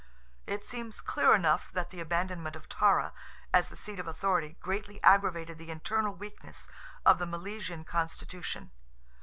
It seems clear enough that the abandonment of Tara, as the seat of authority, greatly aggravated the internal weakness of the Milesian constitution.